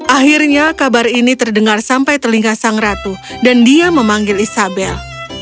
akhirnya kabar ini terdengar sampai telinga sang ratu dan dia memanggil isabel